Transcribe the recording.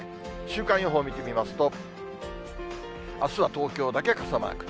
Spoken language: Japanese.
週間予報を見てみますと、あすは東京だけ傘マーク。